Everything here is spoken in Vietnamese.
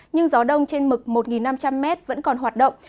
nhưng gió đông trên mực một năm trăm linh m vẫn còn hoạt động